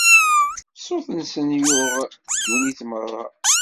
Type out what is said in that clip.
Ṣṣut-nsen yuɣ-d ddunit merra.